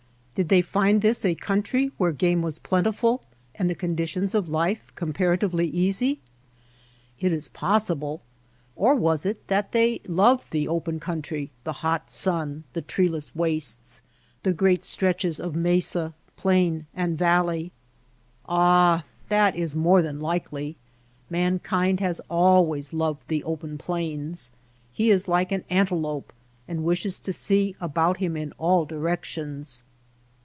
Did they find this a country where game was plentiful and the conditions of life comparatively easy ? It is possible. Or was it that they loved the open country, the hot sun, the treeless wastes, the great stretches of mesa, plain and valley ? Ah ; that is more than likely. Mankind has always loved the open plains. He is like an antelope and wishes to see about him in all di rections.